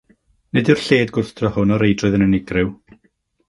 Nid yw'r lled-gwrthdro hwn o reidrwydd yn unigryw.